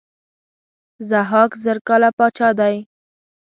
ضحاک زر کاله پاچا دی.